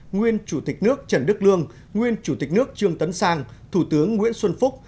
nguyên chủ tịch nước trần đức lương nguyên chủ tịch nước trương tấn sang thủ tướng nguyễn xuân phúc